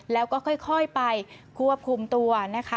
แล้วก็ค่อยไปควบคุมตัวนะคะ